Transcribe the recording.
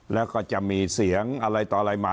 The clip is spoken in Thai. แล้วก็จะมีเสียงอะไรต่ออะไรมา